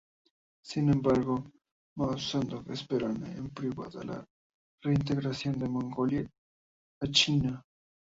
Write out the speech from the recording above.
Sin embargo, Mao Zedong esperaba en privado la reintegración de Mongolia a China.